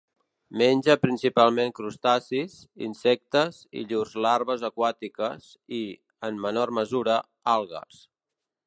Menja principalment crustacis, insectes i llurs larves aquàtiques, i, en menor mesura, algues.